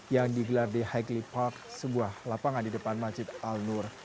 yang digelar di highly park sebuah lapangan di depan masjid al nur